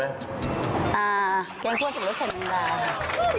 อ่าแกงข้วสัตว์รสไข่แม่งดา